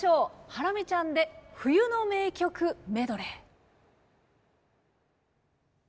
ハラミちゃんで冬の名曲メドレー。